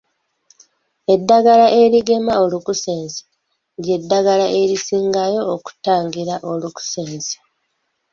Eddagala erigema Olukusense ly'eddagala erisingayo okutangira olukusense